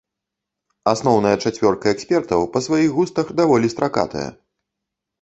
Асноўная чацвёрка экспертаў па сваіх густах даволі стракатая.